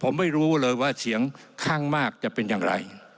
ผมไม่รู้เลยว่าเสียงข้างมากจะเป็นอย่างไร